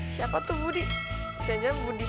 siapa tuh budi